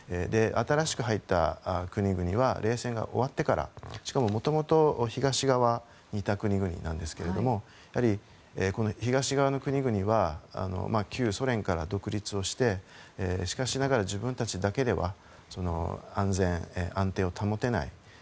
新しく入った国々は冷戦が終わってからしかも、もともと東側にいた国々なんですけどやはり、東側の国々は旧ソ連から独立をしてしかしながら、自分たちだけでは安全・安定を保てない。